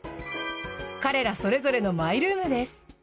彼らそれぞれのマイルームです。